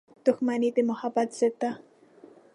• دښمني د محبت ضد ده.